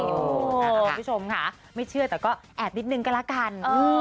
คุณผู้ชมค่ะไม่เชื่อแต่ก็แอบนิดนึงก็แล้วกัน